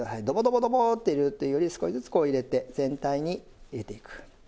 ドボドボドボッと入れるっていうより少しずつこう入れて全体に入れていく。